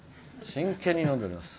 真剣に飲んでおります。